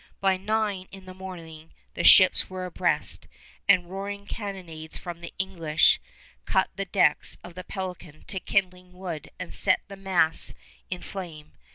By nine in the morning the ships were abreast, and roaring cannonades from the English cut the decks of the Pelican to kindling wood and set the masts in flame.